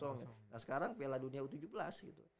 nah sekarang piala dunia u tujuh belas gitu